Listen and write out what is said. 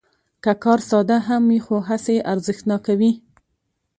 که کار ساده هم وي، خو هڅې یې ارزښتناکوي.